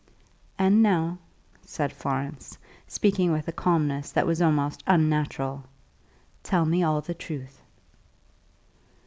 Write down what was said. "And now," said Florence, speaking with a calmness that was almost unnatural, "tell me all the truth."